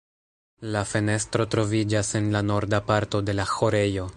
La fenestro troviĝas en la norda parto de la ĥorejo.